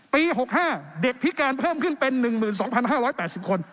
ปี๖๕เด็กพิการเพิ่มขึ้นเป็น๑๒๕๘๐คน